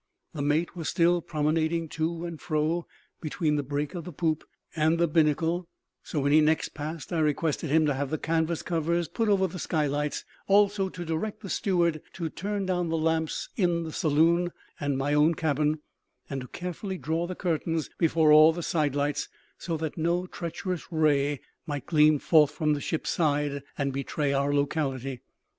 The mate was still promenading to and fro between the break of the poop and the binnacle; so when he next passed I requested him to have the canvas covers put over the skylights, also to direct the steward to turn down the lamps in the saloon and my own cabin, and to carefully draw the curtains before all the sidelights, so that no treacherous ray might gleam forth from the ship's side and betray our locality.